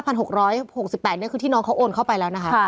นี่คือที่น้องเขาโอนเข้าไปแล้วนะคะ